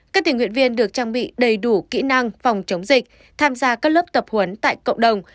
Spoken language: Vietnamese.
các tình nguyện viên được trang bị đầy đủ kỹ năng phòng chống dịch tham gia các lớp tập huấn tại cộng đồng